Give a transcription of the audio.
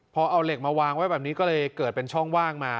พอเอาเหล็กมาวางไว้แบบนี้ก็เลยเกิดเป็นช่องว่างมา